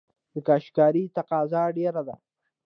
د کاشي کارۍ تقاضا ډیره ده